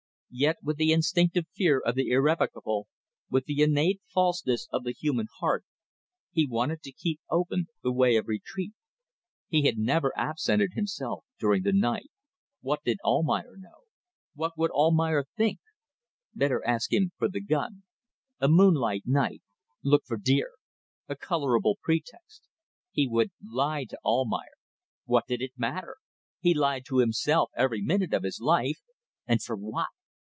Yet with the instinctive fear of the irrevocable, with the innate falseness of the human heart, he wanted to keep open the way of retreat. He had never absented himself during the night. What did Almayer know? What would Almayer think? Better ask him for the gun. A moonlight night. ... Look for deer. ... A colourable pretext. He would lie to Almayer. What did it matter! He lied to himself every minute of his life. And for what?